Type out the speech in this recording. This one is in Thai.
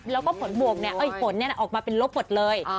แล้วก็ผลบวกผลออกมาเป็นลบหมดเลย